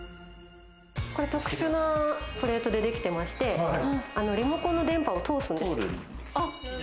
これ、特殊なプレートでできてまして、リモコンの電波を通すんですよ。